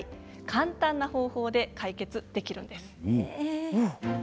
簡単な方法で解決できるんです。